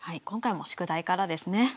今回も宿題からですね。